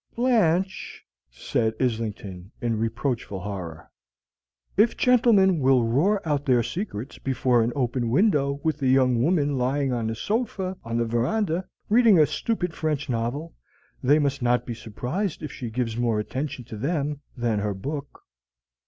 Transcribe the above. "Blanche!" said Islington in reproachful horror. "If gentlemen will roar out their secrets before an open window, with a young woman lying on a sofa on the veranda, reading a stupid French novel, they must not be surprised if she gives more attention to them than her book."